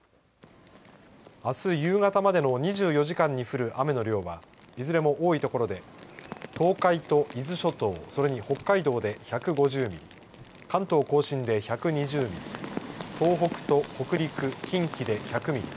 あす夕方までの２４時間に降る雨の量はいずれも多い所で東海と伊豆諸島それに北海道で１５０ミリ、関東甲信で１２０ミリ東北と北陸、近畿で１００ミリ。